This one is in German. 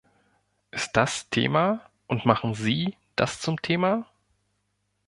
Ist das Thema, und machen Sie das zum Thema?